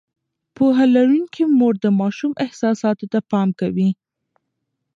پوهه لرونکې مور د ماشوم احساساتو ته پام کوي.